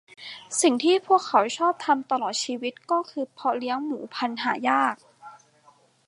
สิ่งที่พวกเขาชอบทำตลอดชีวิตก็คือเพาะเลี้ยงหมูพันธุ์หายาก